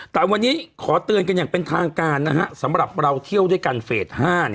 แต่วันนี้ขอเตือนกันอย่างเป็นทางการสำหรับเราเที่ยวด้วยกันเฟส๕